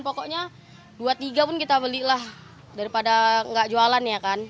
pokoknya dua tiga pun kita beli lah daripada nggak jualan ya kan